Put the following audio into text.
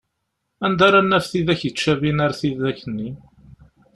Anda ara naf tidak yettcabin ar tidak-nni?